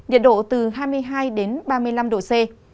nhiệt độ từ hai mươi hai đến ba mươi năm độ c